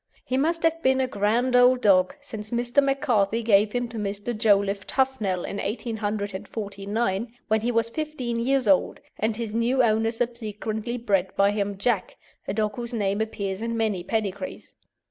He must have been a grand old dog, since Mr. McCarthy gave him to Mr. Joliffe Tuffnell in 1849, when he was fifteen years old; and his new owner subsequently bred by him Jack, a dog whose name appears in many pedigrees.